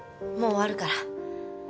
もう終わるから。